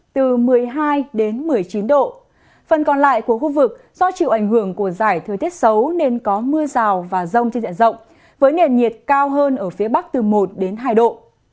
từ một mươi hai đến một mươi chín độ phần còn lại của khu vực do chịu ảnh hưởng của giải thời tiết xấu nên có mưa rào và rông trên diện rộng với nền nhiệt cao hơn ở phía bắc từ một đến hai độ